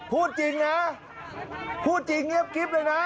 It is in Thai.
พูดจริงนะพูดจริงเงียบกิ๊บเลยนะ